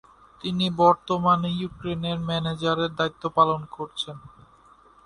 তিনি বর্তমানে ইউক্রেনের ম্যানেজারের দায়িত্ব পালন করছেন।